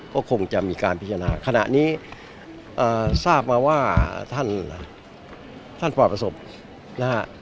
ก็คงจะมีการพิจารณาขณะนี้ทราบมาว่าท่านท่านปลอดประสบนะฮะ